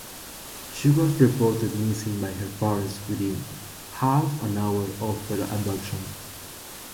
She was reported missing by her parents within half an hour of her abduction.